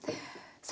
さあ